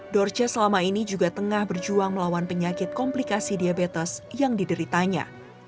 dorce selama ini juga tengah berjuang melawan penyakit komplikasi diabetes yang dideritanya